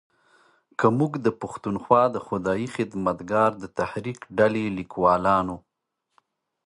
که موږ د پښتونخوا د خدایي خدمتګار د تحریک ډلې لیکوالانو